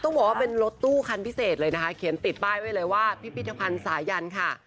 ต้องบอกว่าเป็นรถตู้คันพิเศษเลยนะคะเขียนติดป้ายไว้เลยว่าพิพิธภัณฑ์สายันค่ะ